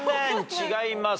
違います。